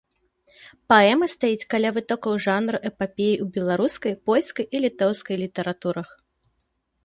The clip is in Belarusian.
Паэма стаіць каля вытокаў жанру эпапеі ў беларускай, польскай і літоўскай літаратурах.